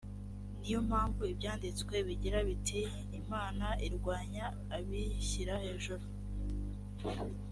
ni yo mpamvu ibyanditswe bigira biti imana irwanya abishyira hejuru